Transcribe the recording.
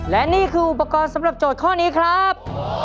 และนี่คืออุปกรณ์สำหรับโจทย์ข้อนี้ครับ